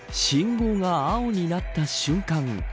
信号が青になった瞬間